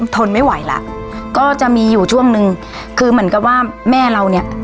ทนไม่ไหวแล้วก็จะมีอยู่ช่วงนึงคือเหมือนกับว่าแม่เราเนี่ย